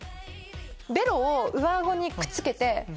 ベロを上顎にくっつけて。